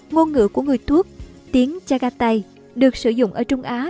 ngôn ngữ của người tuốc tiếng chagatai được sử dụng ở trung á